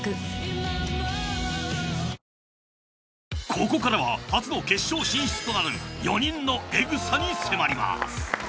ここからは初の決勝進出となる４人のエグさに迫ります。